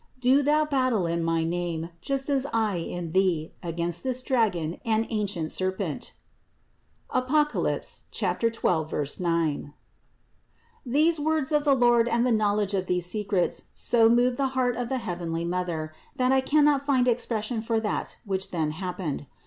Do thou battle in my name, just as I in thee, against this dragon and ancient serpent" (Apoc. 12, 9). 337. These words of the Lord and the knowledge of these secrets so moved the heart of the heavenly Mother, that I cannot find expression for that which then hap pened.